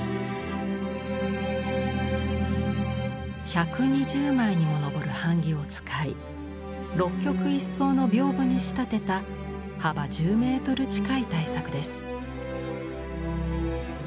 １２０枚にも上る版木を使い六曲一双の屏風に仕立てた幅１０メートル近い大作です。